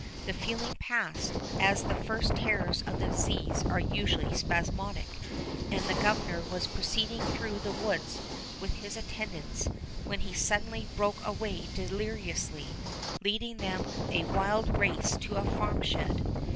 The feeling passed, as the first terrors of the disease are usually spasmodic, and the Governor was proceeding through the woods with his attendants, when he suddenly broke away deliriously, leading them a wild race to a farm shed.